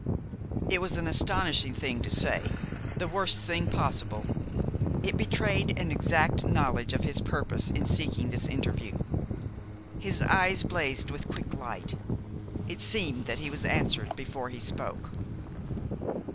It was an astonishing thing to say, the worst thing possible. It betrayed an exact knowledge of his purpose in seeking this interview. His eyes blazed with a quick light. It seemed that he was answered before he spoke.